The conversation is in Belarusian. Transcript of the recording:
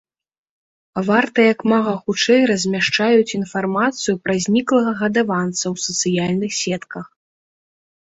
Варта як мага хутчэй размяшчаюць інфармацыю пра зніклага гадаванца ў сацыяльных сетках.